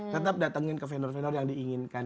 tetap datangin ke vendor vendor yang diinginkan